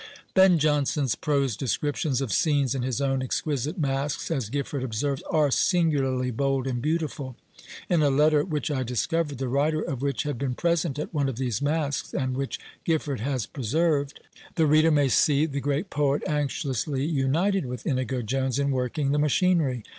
Ben Jonson's prose descriptions of scenes in his own exquisite Masques, as Gifford observes, "are singularly bold and beautiful." In a letter which I discovered, the writer of which had been present at one of these Masques, and which Gifford has preserved, the reader may see the great poet anxiously united with Inigo Jones in working the machinery.